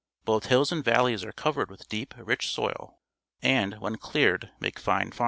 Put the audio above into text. Both hills and valleys are co^'ered with deep, rich soil, and, when cleared, make fine farms.